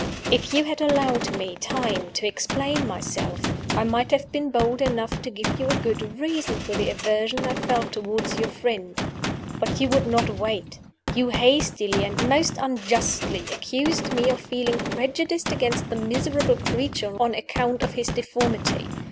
If you had allowed me time to explain myself, I might have been bold enough to give you a good reason for the aversion I felt toward your friend. But you would not wait. You hastily (and most unjustly) accused me of feeling prejudiced against the miserable creature on account of his deformity.